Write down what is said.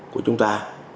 của chúng ta